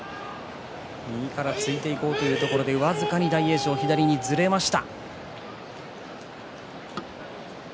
右から突いていこうというとこで大栄翔、僅かに左にずれました。